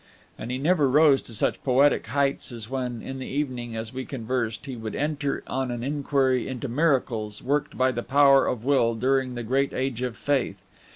And he never rose to such poetic heights as when, in the evening, as we conversed, he would enter on an inquiry into miracles, worked by the power of Will during that great age of faith.